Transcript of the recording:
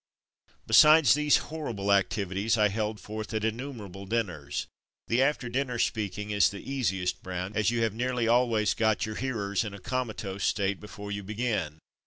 Besides these horrible activities I held forth at innumerable din ners. The after dinner speaking is the easiest brand, as you have nearly always got your hearers in a comatose state before you begin.